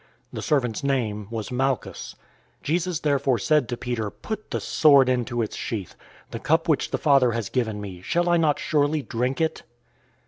The servant's name was Malchus. 018:011 Jesus therefore said to Peter, "Put the sword into its sheath. The cup which the Father has given me, shall I not surely drink it?"